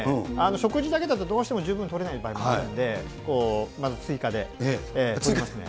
食事だけだとどうしても十分とれない場合もあるんで、こう、追加でとりますね。